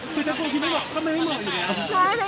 คือแต่คนที่ไม่เหมาะก็ไม่ให้เหมาะอยู่แล้ว